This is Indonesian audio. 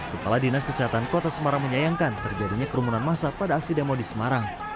kepala dinas kesehatan kota semarang menyayangkan terjadinya kerumunan masa pada aksi demo di semarang